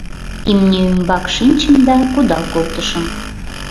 Имне ӱмбак шинчым да кудал колтышым.